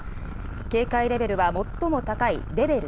警戒レベルは最も高いレベル